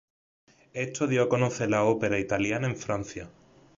Esto dio a conocer la ópera italiana en Francia.